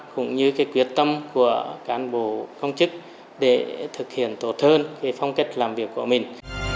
cũng như quyết tâm của cán bộ công chức để thực hiện tốt hơn phong cách làm việc của mình